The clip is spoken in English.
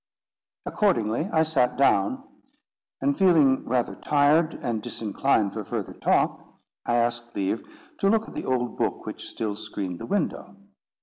Accordingly I sat down, and feeling rather tired, and disinclined for further talk, I asked leave to look at the old book which still screened the window.